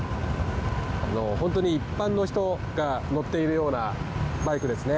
本当に一般の人が乗っているようなバイクですね。